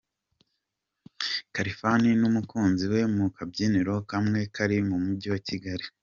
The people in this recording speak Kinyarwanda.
Khalfan n'umukunzi we mu kabyiniro kamwe kari mu mujyi wa Kigali.